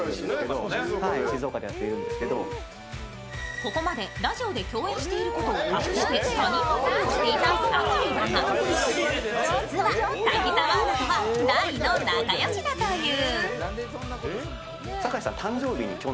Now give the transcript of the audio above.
ここまでラジオで共演していることを隠して他人のふりをしていた酒井だが、実は滝澤アナとは大の仲良しだという。